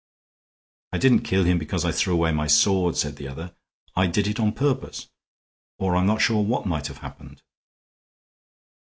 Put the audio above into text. "I didn't kill him because I threw away my sword," said the other. "I did it on purpose or I'm not sure what might have happened."